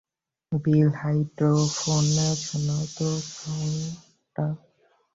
বিল, হাইড্রোফোনে শোনাও তো সাউন্ডটা।